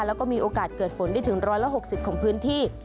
แล้วก็มีโอกาสเกิดฝนได้ถึง๑๖๐ของพื้นที่